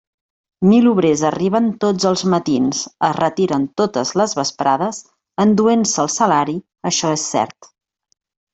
Mil obrers arriben tots els matins, es retiren totes les vesprades, enduent-se el salari, això és cert.